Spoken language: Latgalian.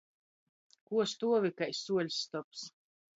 Kuo stuovi kai suoļs stobs?